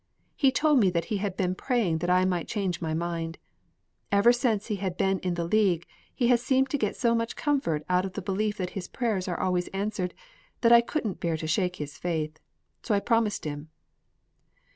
He told me that he had been praying that I might change my mind. Ever since he has been in the League he has seemed to get so much comfort out of the belief that his prayers are always answered that I couldn't bear to shake his faith. So I promised him."